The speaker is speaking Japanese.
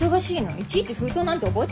いちいち封筒なんて覚えてないから。